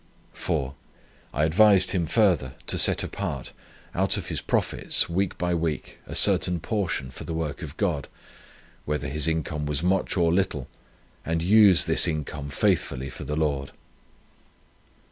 4, I advised him further, to set apart; out of his profits, week by week, a certain proportion for the work of God, whether his income was much or little, and use this income faithfully for the Lord.